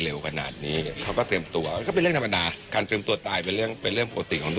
เร็วกนาดนี้เขาก็เตรียมตัวก็เป็นเรื่องธรรมดาการเตรียมตัวตายเป็นเรื่อง